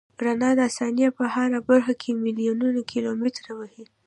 رڼا د ثانیې په هره برخه کې میلیونونه کیلومتره وهي.